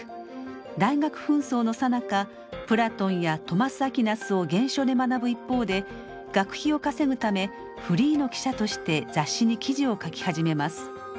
大学紛争のさなかプラトンやトマス・アクィナスを原書で学ぶ一方で学費を稼ぐためフリーの記者として雑誌に記事を書き始めます。